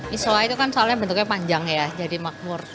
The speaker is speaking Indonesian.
isowa itu kan soalnya bentuknya panjang ya jadi makmur